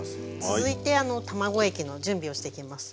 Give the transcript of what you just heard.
続いて卵液の準備をしていきます。